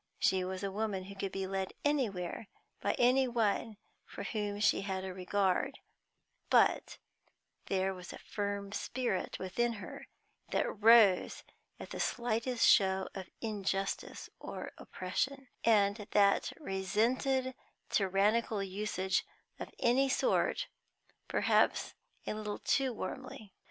She was a woman who could be led anywhere by any one for whom she had a regard, but there was a firm spirit within her that rose at the slightest show of injustice or oppression, and that resented tyrannical usage of any sort perhaps a little too warmly.